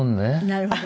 なるほど。